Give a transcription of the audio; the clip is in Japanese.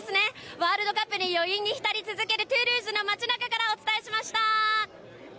ワールドカップの余韻に浸り続けるトゥールーズの街なかからお伝えしました。